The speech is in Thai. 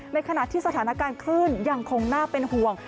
ในขณะที่สถานการณ์คลื่นยังคงน่าเป็นห่วง